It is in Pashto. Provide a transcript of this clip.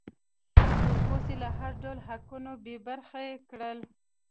تور پوستي له هر ډول حقونو بې برخې کړل.